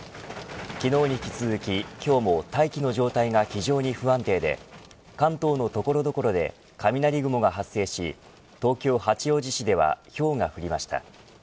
昨日に引き続き今日も大気の状態が非常に不安定で関東の所々で雷雲が発生し東京八王子市ではひょうが降りました。